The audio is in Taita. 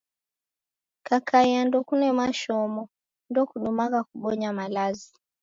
Kakai ndokune mashomo, ndokudumagha kubonya malazi.